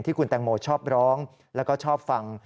คุณแตงโมชอบร้องแล้วก็ชอบฟัง